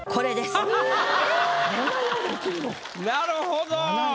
なるほど！